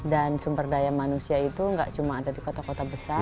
dan sumber daya manusia itu gak cuma ada di kota kota besar